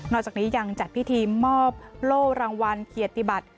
จากนี้ยังจัดพิธีมอบโล่รางวัลเกียรติบัติ